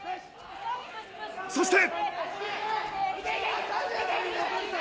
そして。